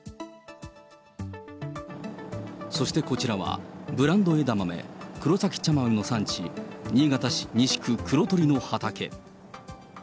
そしてこちらは、ブランド枝豆、くろさき茶豆の産地、新潟市西区黒鳥の畑。